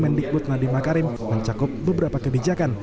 mendikbud nadiem makarim mencakup beberapa kebijakan